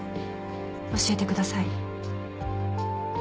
教えてください。